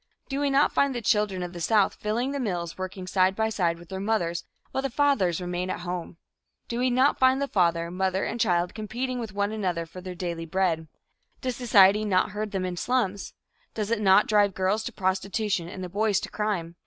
Do we not find the children of the South filling the mills, working side by side with their mothers, while the fathers remain at home? Do we not find the father, mother and child competing with one another for their daily bread? Does society not herd them in slums? Does it not drive the girls to prostitution and the boys to crime?